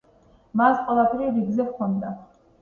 მას ყველაფერი რიგზე ჰქონდა.